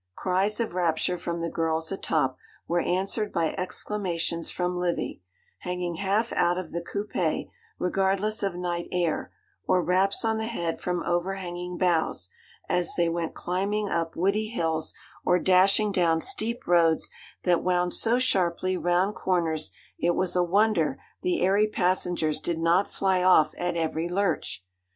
Cries of rapture from the girls atop were answered by exclamations from Livy, hanging half out of the coupé regardless of night air, or raps on the head from overhanging boughs, as they went climbing up woody hills, or dashing down steep roads that wound so sharply round corners, it was a wonder the airy passengers did not fly off at every lurch.